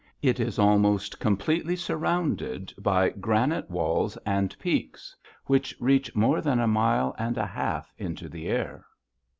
It is almost completely surrounded by granite walls and peaks which reach more than a mile and a half into the air.